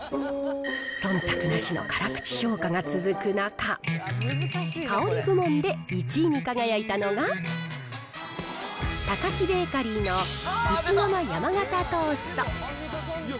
そんたくなしの辛口評価が続く中、香り部門で１位に輝いたのが、タカキベーカリーの石窯山型トースト。